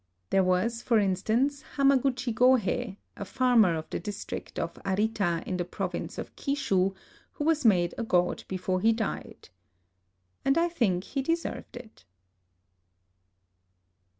There was, for instance, Hamaguchi Gohei, a farmer of the district of Arita in the province of Kishu, who was made a god before he died. And I think he deserved it.